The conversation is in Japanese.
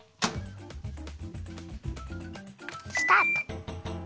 スタート！